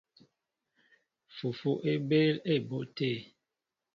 Fufu é ɓéél á éɓóʼ te.